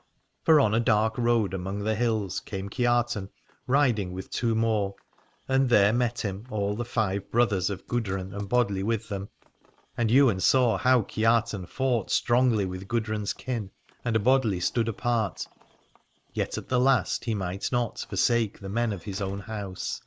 For on a dark road among the hills came Kiartan riding with two more : and there met 276 Aladore him all the five brothers of Gudrun, and Bodli with them. And Ywain saw how Kiartan fought strongly with Gudrun's kin, and Bodli stood apart : yet at the last he might not forsake the men of his own house.